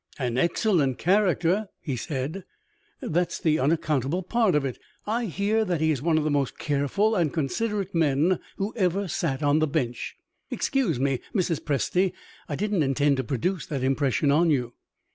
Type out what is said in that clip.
"An excellent character," he said "that's the unaccountable part of it. I hear that he is one of the most careful and considerate men who ever sat on the bench. Excuse me, Mrs. Presty, I didn't intend to produce that impression on you."